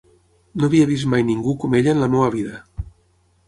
No havia vist mai ningú com ella en la meva vida.